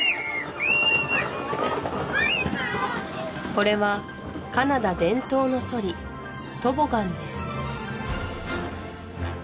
これはカナダ伝統のソリトボガンです